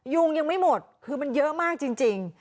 ยุงยังไม่หมดคือมันเยอะมากจริง